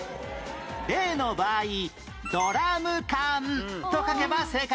例の場合「ドラムかん」と書けば正解です